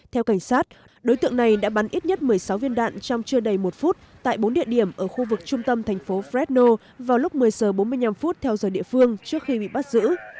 theo cảnh sát đối tượng này đã bắn ít nhất một mươi sáu viên đạn trong chưa đầy một phút tại bốn địa điểm ở khu vực trung tâm thành phố fretno vào lúc một mươi giờ bốn mươi năm theo giờ địa phương trước khi bị bắt giữ